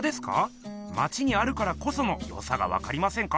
まちにあるからこそのよさがわかりませんか？